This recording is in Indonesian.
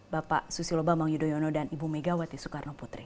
bapak susilo bambang yudhoyono dan ibu megawati soekarno putri